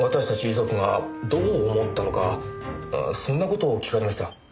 遺族がどう思ったのかそんな事を聞かれました。